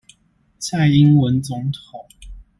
蔡英文總統